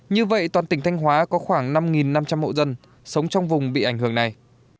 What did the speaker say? như vậy toàn tỉnh thanh hóa có khoảng năm năm trăm linh hộ dân sống trong vùng bị ảnh hưởng này